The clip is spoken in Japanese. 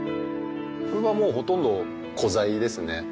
これはもうほとんど古材ですね。